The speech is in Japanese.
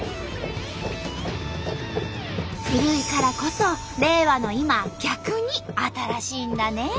古いからこそ令和の今逆に新しいんだね。